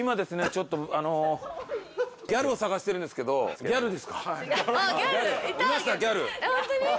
ちょっとあのギャルを探してるんですけどはいあっギャルいたホントに？